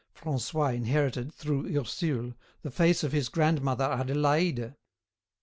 Francois inherited, through Ursule, the face of his grandmother Adélaïde.